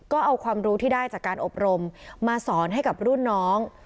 ก็เอาความรู้ที่ได้จากการอบรมมาสอนให้กับรุ่นน้อง